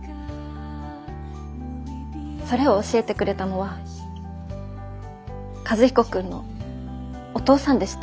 それを教えてくれたのは和彦君のお父さんでした。